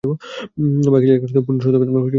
বাকি জায়গাগুলোতে পূর্ণ সতর্কতা বজায় রাখ।